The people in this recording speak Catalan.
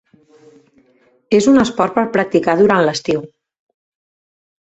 És un esport per practicar durant l'estiu.